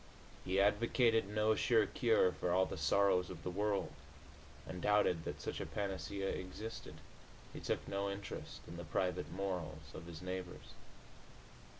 He advocated no sure cure for all the sorrows of the world, and doubted that such a panacea existed. He took no interest in the private morals of his neighbors.